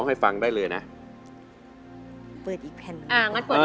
เหลือ